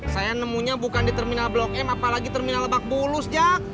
saya nemunya bukan di terminal blok m apalagi terminal lebak bulus jak